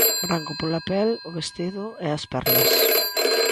Branco pola pel, o vestido e as perlas.